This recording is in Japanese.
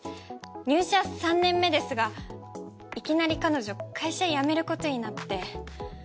入社３年目ですがいきなり彼女会社辞めることになって。